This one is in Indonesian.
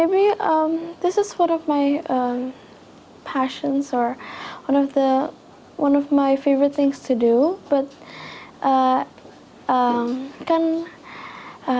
ini adalah satu dari passion atau salah satu hal favorit saya untuk melakukannya